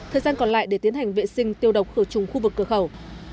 thời gian còn lại để tiến hành vệ sinh tiêu độc khử trùng khu vực cửa khẩu